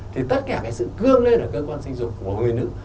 thì tất cả cái sự cương lên ở cơ quan sinh dục của người nữ